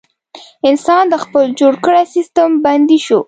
انسان د خپل جوړ کړي سیستم بندي شو.